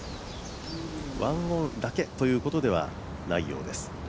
１オンだけということではないようです。